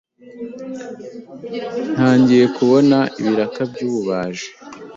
ntangiye kubona ibiraka by’ububaji